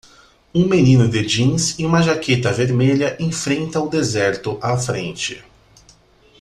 Um menino de jeans e uma jaqueta vermelha enfrenta o deserto à frente.